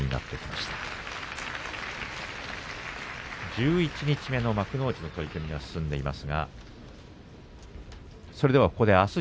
十一日目の幕内の取組が進んでいます。